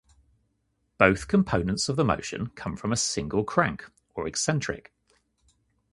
Both components of the motion come from a single crank or eccentric.